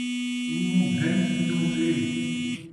اُنوں گھن اِنوں ݙے